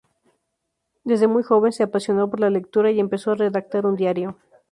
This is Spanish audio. Desde muy joven se apasionó por la lectura y empezó a redactar un diario.